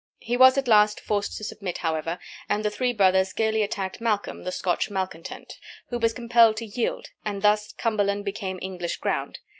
He was at last forced to submit, however, and the three brothers gayly attacked Malcolm, the Scotch malecontent, who was compelled to yield, and thus Cumberland became English ground.